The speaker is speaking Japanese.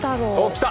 きた！